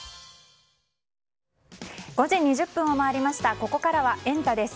ここからはエンタ！です。